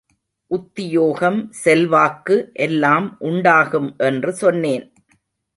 உத்தியோகம் செல்வாக்கு எல்லாம் உண்டாகும் என்று சொன்னேன்.